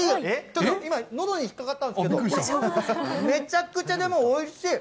ちょっと今、のどに引っ掛かったんですけど、めちゃくちゃ、でもおいしい！